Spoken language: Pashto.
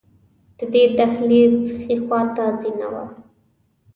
د دې دهلېز ښې خواته زینه وه.